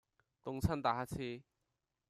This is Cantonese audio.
凍親打乞嗤